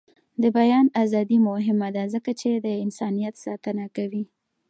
د بیان ازادي مهمه ده ځکه چې د انسانیت ساتنه کوي.